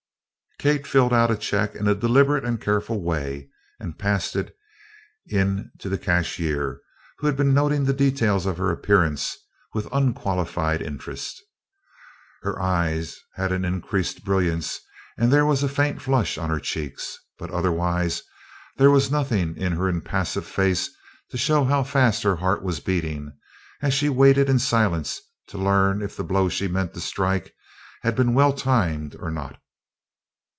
Kate filled out a check in a deliberate and careful way and passed it in to the cashier, who had been noting the details of her appearance with unqualified interest. Her eyes had an increased brilliancy and there was a faint flush on her cheeks, but otherwise there was nothing in her impassive face to show how fast her heart was beating as she waited in the silence to learn if the blow she meant to strike had been well timed or not.